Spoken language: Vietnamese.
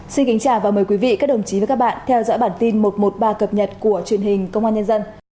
xin kính chào và mời quý vị các đồng chí và các bạn theo dõi bản tin một trăm một mươi ba cập nhật của truyền hình công an nhân dân